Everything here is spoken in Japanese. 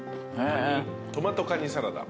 トマトかにサラダ。